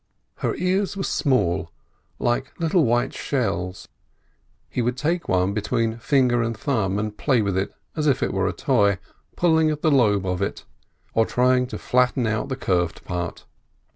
Her ears were small, and like little white shells. He would take one between finger and thumb and play with it as if it were a toy, pulling at the lobe of it, or trying to flatten out the curved part.